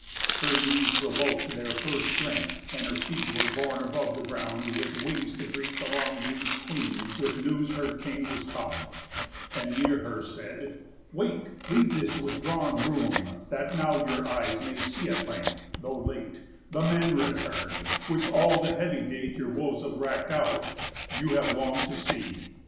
Her knees revok'd their first strength, and her feet Were borne above the ground with wings to greet The long griev'd Queen with news her King was come; And, near her, said: "Wake, leave this withdrawn room, That now your eyes may see at length, though late, The man return'd, which, all the heavy date Your woes have rack'd out, you have long'd to see.